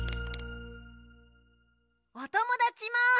おともだちも。